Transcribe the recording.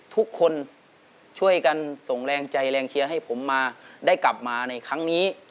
ทุกคนช่วยกันส่งแรงใจแรงเชียร์ให้ผมมาได้กลับมาในครั้งนี้